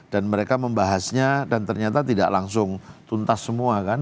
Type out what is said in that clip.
dan mereka membahasnya dan ternyata tidak langsung tuntas semua kan